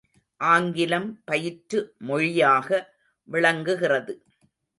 ஆங்கிலம் பயிற்று மொழியாக விளங்குகிறது.